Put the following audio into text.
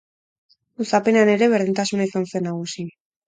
Luzapenean ere, berdintasuna izan zen nagusi.